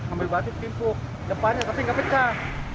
ambil batu ditimpu depannya tapi nggak pecah